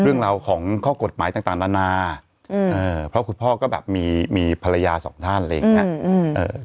เรื่องราวของข้อกฎหมายต่างนานาอืมเออเพราะคุณพ่อก็แบบมีมีภรรยาสองท่านเลยเนี่ยอืมอืม